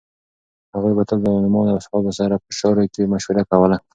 هغوی به تل له عالمانو او اصحابو سره په چارو کې مشوره کوله.